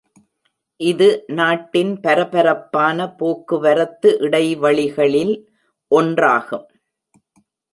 இது நாட்டின் பரபரப்பான போக்குவரத்து இடைவழிகளில் ஒன்றாகும்.